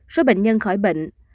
số bệnh nhân khỏi bệnh